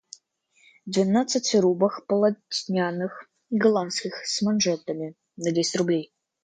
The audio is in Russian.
Двенадцать рубах полотняных голландских с манжетами на десять рублей.